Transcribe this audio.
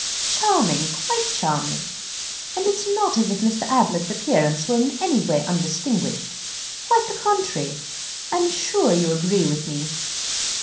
"Charming. Quite charming. And it is not as if Mr. Ablett's appearance were in any way undistinguished. Quite the contrary. I'm sure you agree with me?"